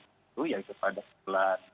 itu yaitu pada bulan